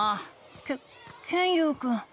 ケケンユウくん。